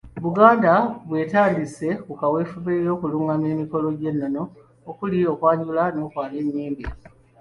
Buganda bw’etandise ku kaweefube w’okulungamya emikolo gy’ennono okuli okwanjula n’okwabya ennyimbe.